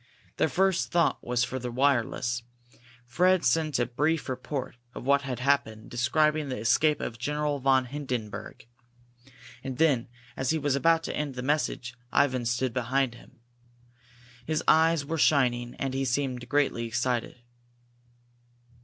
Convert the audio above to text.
Their first thought was for the wireless. Fred sent a brief report of what had happened, describing the escape of General von Hindenburg. And then, as he was about to end the message, Ivan stood beside him. His eyes were shining and he seemed greatly excited.